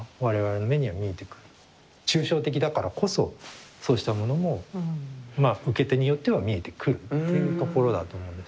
抽象的だからこそそうしたものもまあ受け手によっては見えてくるっていうところだと思うんです。